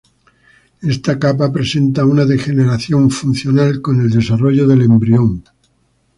Esta capa presenta una degeneración funcional con el desarrollo del embrión.